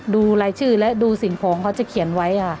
ดูรายชื่อและดูสิ่งของเขาจะเขียนไว้ค่ะ